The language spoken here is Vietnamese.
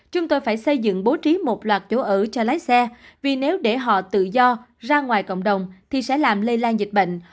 chúng tôi phải xây dựng bố trí một loạt chỗ ở cho lái xe vì nếu để họ tự do ra ngoài cộng đồng thì sẽ làm lây lan dịch bệnh